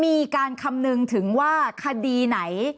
มีการคำนึงถึงว่าคดีไหน